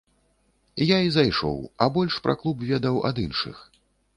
Я і зайшоў, а больш пра клуб ведаў ад іншых.